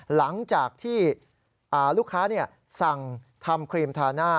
หลังจากที่ลูกค้าสั่งทำครีมทาหน้า